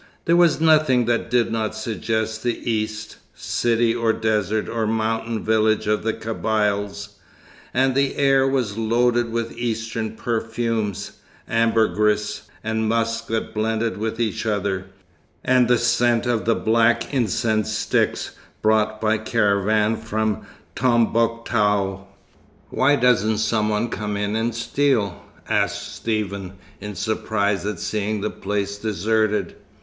There was nothing that did not suggest the East, city or desert, or mountain village of the Kabyles; and the air was loaded with Eastern perfumes, ambergris and musk that blended with each other, and the scent of the black incense sticks brought by caravan from Tombouctou. "Why doesn't some one come in and steal?" asked Stephen, in surprise at seeing the place deserted.